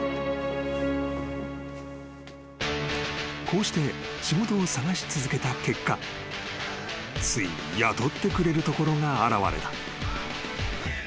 ［こうして仕事を探し続けた結果ついに雇ってくれるところが現れた］